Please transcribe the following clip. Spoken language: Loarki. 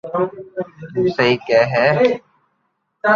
تو سھي ڪي ھي